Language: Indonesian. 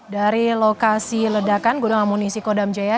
dari lokasi ledakan gunung amunisi kodam jaya